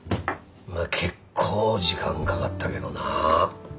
まあ結構時間かかったけどな。